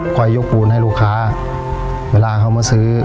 คอยโยกบุญให้ลูกค้าเวลาเขามาซื้อ